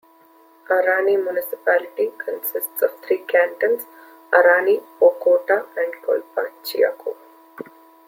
Arani Municipality consists of three cantons, Arani, Pocoata and Collpaciaco.